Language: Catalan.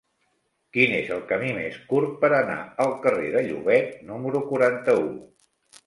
Quin és el camí més curt per anar al carrer de Llobet número quaranta-u?